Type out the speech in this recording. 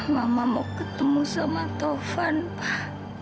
mama mau ketemu sama tovan pak